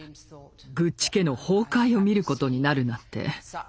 グッチ家の崩壊を見ることになるなんて。